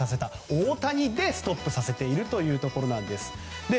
大谷でストップさせているというところなんです。